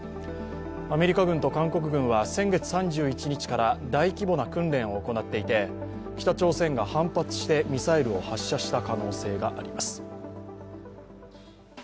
アメリカ軍と韓国軍は先月３１日から大規模な訓練を行っていて北朝鮮が反発してミサイルを発射した可能性があります。